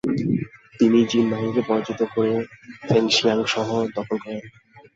তিনি জিন বাহিনীকে পরাজিত করে ফেংশিয়াং শহর দখল করেন।